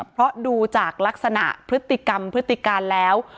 เพราะดูจากลักษณะพฤติกรรมพฤติการแล้ว